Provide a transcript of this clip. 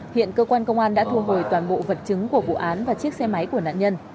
hiện cơ quan công an đã thu hồi toàn bộ vật chứng của vụ án và chiếc xe máy của nạn nhân